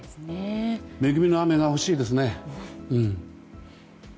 恵みの雨が欲しいですね。